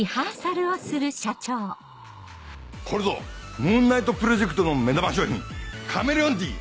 これぞムーンナイトプロジェクトの目玉商品「カメレオンティー」